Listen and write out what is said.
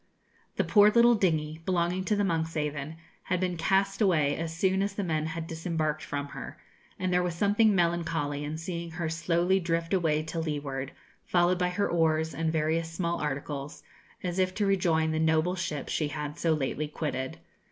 The poor little dingy, belonging to the 'Monkshaven,' had been cast away as soon as the men had disembarked from her, and there was something melancholy in seeing her slowly drift away to leeward, followed by her oars and various small articles, as if to rejoin the noble ship she had so lately quitted.